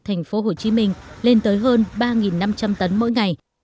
thành phố hồ chí minh lên tới hơn ba năm trăm linh tấn mỗi ngày